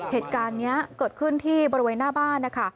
เหตุการณ์นี้เกิดขึ้นที่บริเวณหน้าบ้านนะคะ